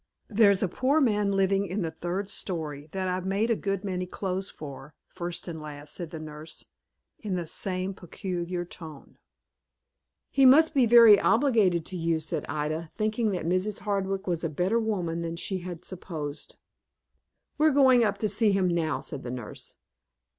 "There's a poor man living in the third story that I've made a good many clothes for, first and last," said the nurse, in the same peculiar tone. "He must be very much obliged to you," said Ida, thinking that Mrs. Hardwick was a better woman than she had supposed. "We're going up to see him, now," said the nurse.